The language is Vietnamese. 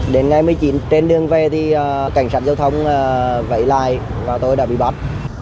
đến ngày một mươi chín trên đường về thì cảnh sát giao thông vẫy lại và tôi đã bị bắt